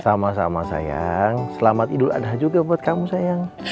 sama sama sayang selamat idul adha juga buat kamu sayang